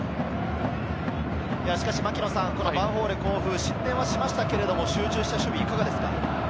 ヴァンフォーレ甲府、失点しましたけれども、集中した守備、いかがですか？